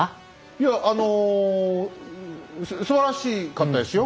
いやあのすばらしかったですよ。